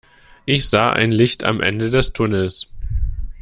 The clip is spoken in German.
Ich sah ein Licht am Ende des Tunnels.